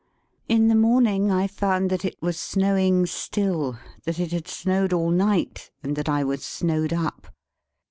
In the morning I found that it was snowing still, that it had snowed all night, and that I was snowed up.